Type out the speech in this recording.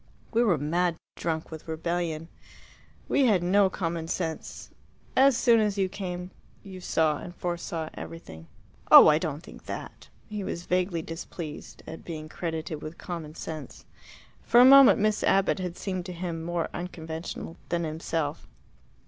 "We were mad drunk with rebellion. We had no common sense. As soon as you came, you saw and foresaw everything." "Oh, I don't think that." He was vaguely displeased at being credited with common sense. For a moment Miss Abbott had seemed to him more unconventional than himself.